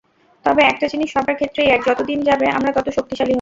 তবে একটা জিনিস সবার ক্ষেত্রেই এক, যতদিন যাবে আমরা তত শক্তিশালী হব।